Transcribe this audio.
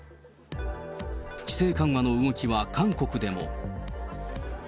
規制緩和の動きは韓国でも。